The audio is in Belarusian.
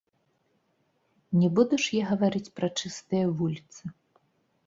Не буду ж я гаварыць пра чыстыя вуліцы.